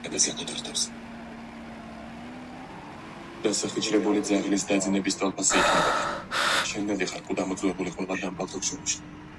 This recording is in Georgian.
იუდეა სამარიის სამხრეთითაა.